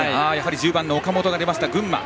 １０番の岡本が出ました群馬。